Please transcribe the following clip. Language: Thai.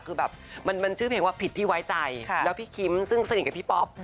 คือแบบมันชื่อเพลงว่าผิดที่ไว้ใจแล้วพี่คิมซึ่งสนิทกับพี่ป๊อป